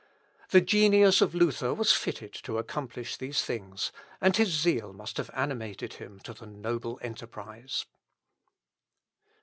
The genius of Luther was fitted to accomplish these things, and his zeal must have animated him to the noble enterprise."